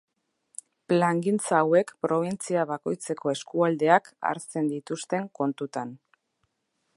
Plangintza hauek probintzia bakoitzeko eskualdeak hartzen dituzten kontutan.